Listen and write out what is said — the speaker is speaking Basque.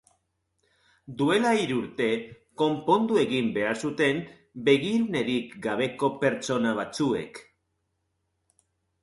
Duela hiru urte konpondu egin behar zuten begirunerik gabeko pertsona batzuek.